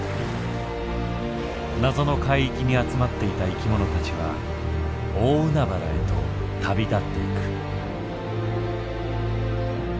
謎の海域に集まっていた生きものたちは大海原へと旅立っていく。